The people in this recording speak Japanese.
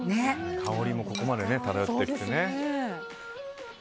香りもここまで漂ってきて。